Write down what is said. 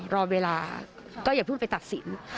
รอเวลาก็อย่าเพิ่งไปตัดสิน